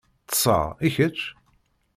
Ṭṣeɣ, i kečč?